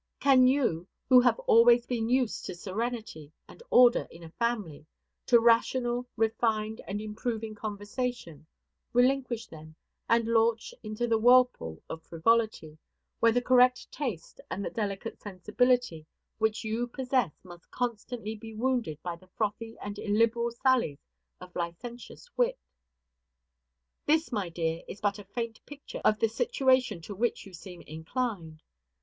Can you, who have always been used to serenity and order in a family, to rational, refined, and improving conversation, relinquish them, and launch into the whirlpool of frivolity, where the correct taste and the delicate sensibility which you possess must constantly be wounded by the frothy and illiberal sallies of licentious wit? This, my dear, is but a faint picture of the situation to which you seem inclined.